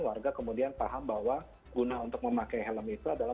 warga kemudian paham bahwa guna untuk memakai helm itu adalah